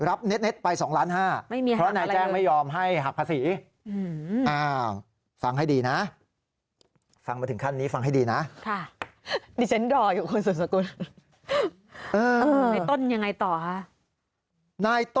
รับเน็ตไป๒๕๐๐๐๐๐บาท